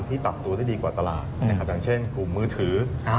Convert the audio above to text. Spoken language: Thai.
ที่ปรับตัวได้ดีกว่าตลาดอย่างเช่นกลุ่มมือถือ